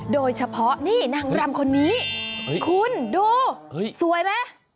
โดยเฉพาะนี่นางรำคนนี้คุณดูสวยไหม